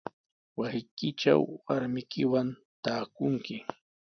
Wasiykitraw warmiykiwan taakunki.